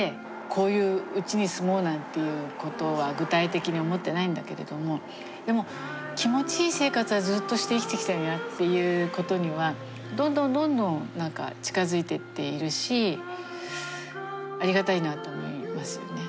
こういう家に住もうなんていうことは具体的に思ってないんだけれどもでもっていうことにはどんどんどんどんなんか近づいてっているしありがたいなと思いますよね。